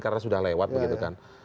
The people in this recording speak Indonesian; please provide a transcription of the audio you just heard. karena sudah lewat begitu kan